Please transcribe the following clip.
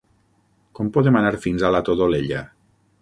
Com podem anar fins a la Todolella?